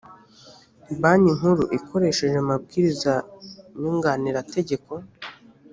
banki nkuru ikoresheje amabwiriza nyunganirategeko